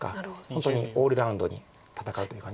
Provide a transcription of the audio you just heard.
本当にオールラウンドに戦うというか。